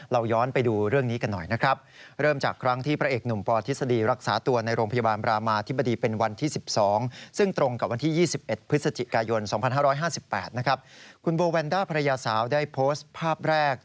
เราย้อนไปดูเรื่องนี้กันหน่อยนะครับ